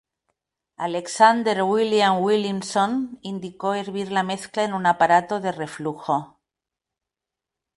Alexander William Williamson indicó hervir la mezcla en aparato de reflujo.